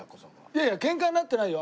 いやいやケンカになってないよ